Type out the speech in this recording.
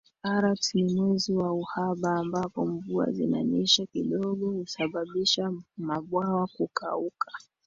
Arat ni Mwezi wa uhaba ambapo mvua zinanyesha kidogo husababisha mabwawa kukauka